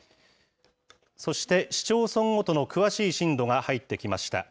そして、市町村ごとの詳しい震度が入ってきました。